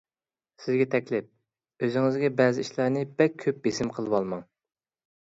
سىزگە تەكلىپ: ئۆزىڭىزگە بەزى ئىشلارنى بەك كۆپ بېسىم قىلىۋالماڭ.